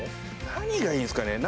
何がいいんですかね